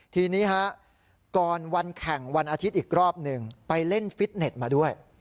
ทีนี้ฮะก่อนวันแข่งวันอาทิตย์อีกรอบหนึ่งไปเล่นฟิตเน็ตมาด้วย